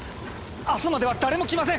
あすまでは誰も来ません！